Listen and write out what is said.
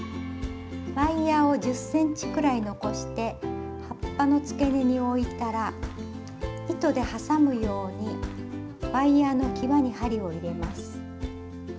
ワイヤーを１０ｃｍくらい残して葉っぱのつけ根に置いたら糸で挟むようにワイヤーのきわに針を入れます。